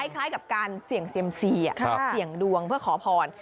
คล้ายกับการเสี่ยงเซียมซีเสี่ยงดวงเพื่อขอพร